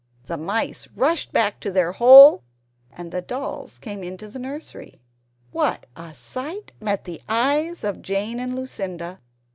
The mice rushed back to their hole, and the dolls came into the nursery. What a sight met the eyes of Jane and Lucinda!